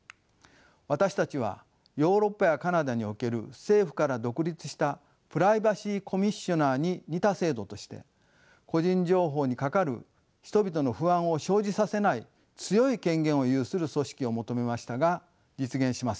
私たちはヨーロッパやカナダにおける政府から独立したプライバシー・コミッショナーに似た制度として個人情報にかかる人々の不安を生じさせない強い権限を有する組織を求めましたが実現しませんでした。